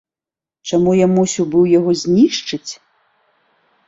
Чаму я мусіў быў яго знішчыць?